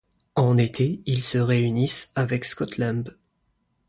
En été, ils se réunissent avec Scott Lamb.